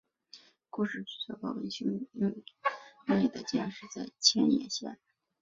故事主角高坂兄妹的家是在千叶县。